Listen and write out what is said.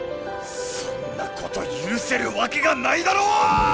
そんなこと許せるわけがないだろうー！